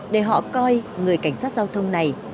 để họ coi người cảnh sát giao thông này